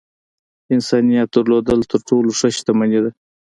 انسانيت درلودل تر ټولو ښۀ شتمني ده .